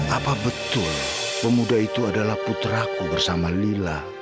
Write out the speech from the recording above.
apa betul pemuda itu adalah putraku bersama lila